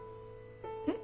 えっ？